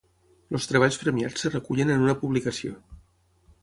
Els treballs premiats es recullen en una publicació.